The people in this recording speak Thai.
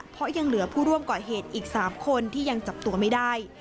เพราะยังเหลือผู้ร่วมก่อเหตุอีก๓คนที่ยังจับตัวไม่ได้